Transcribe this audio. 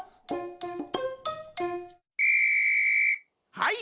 はい。